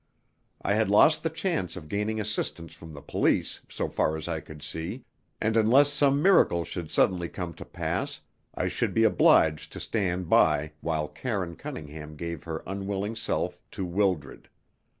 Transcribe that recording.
I had lost the chance of gaining assistance from the police, so far as I could see, and unless some miracle should suddenly come to pass, I should be obliged to stand by while Karine Cunningham gave her unwilling self to Wildred.